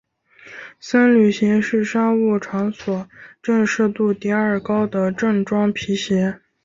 僧侣鞋是商务场所正式度第二高的正装皮鞋。